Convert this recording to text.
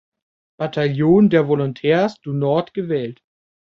Bataillon der Volontaires du Nord gewählt.